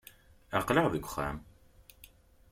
Aql-aɣ deg wexxam.